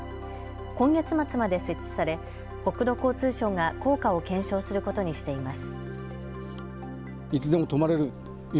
今月末まで設置され国土交通省が効果を検証することにしています。